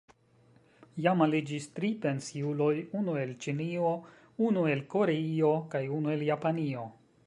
Jam aliĝis tri pensiuloj: unu el Ĉinio, unu el Koreio kaj unu el Japanio.